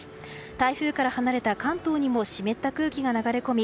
台風から離れた関東にも湿った空気が流れ込み